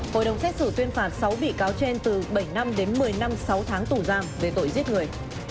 hội đồng xét xử tuyên phạt sáu bị cáo trên từ bảy năm đến một mươi năm sáu tháng tù giam về tội giết người